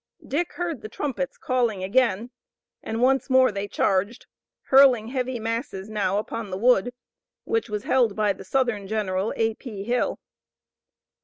Dick heard the trumpets calling again, and once more they charged, hurling heavy masses now upon the wood, which was held by the Southern general, A. P. Hill.